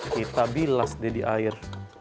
kita bilas dia di air